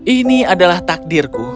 ini adalah takdirku